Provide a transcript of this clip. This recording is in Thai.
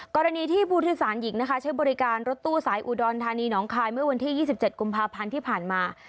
กรณีที่ผู้โดยสารหญิงนะคะใช้บริการรถตู้สายอุดรธานีน้องคายเมื่อวันที่๒๗กุมภาพันธ์ที่ผ่านมา